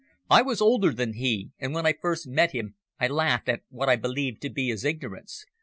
I was older than he, and when I first met him I laughed at what I believed to be his ignorance.